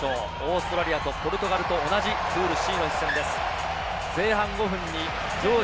オーストラリアとポルトガルと同じプールＣの一戦です。